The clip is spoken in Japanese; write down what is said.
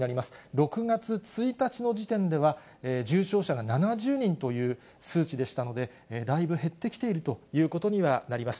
６月１日の時点では重症者が７０人という数値でしたので、だいぶ減ってきているということにはなります。